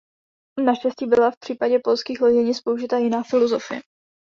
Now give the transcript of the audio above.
Naneštěstí byla v případě polských loděnic použita jiná filozofie.